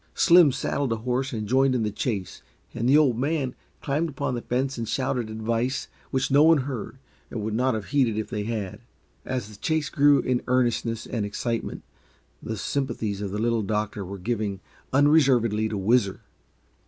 Slim saddled a horse and joined in the chase, and the Old Man climbed upon the fence and shouted advice which no one heard and would not have heeded if they had. As the chase grew in earnestness and excitement, the sympathies of the Little Doctor were given unreservedly to Whizzer.